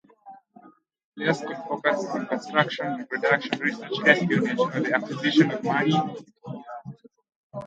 Players could focus on construction, reproduction, research, espionage, or the acquisition of money.